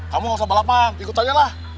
kamu gak usah balapan ikut aja lah